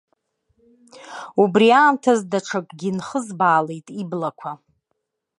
Убри аамҭазы даҽакгьы нхызбаалеит иблақәа.